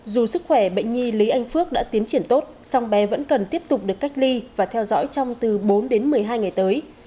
dù sức khỏe bệnh nhi lý anh phước đã tiến triển tốt song bé vẫn cần tiếp tục được cách ly và theo dõi trong từ bốn đến một mươi hai ngày tới